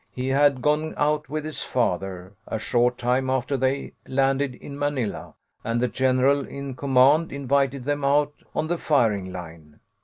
He had gone out with his father, a short time after they landed in Manila, and the general in command invited them out on the firing line.